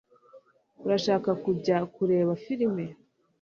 Urashaka kujya kureba film?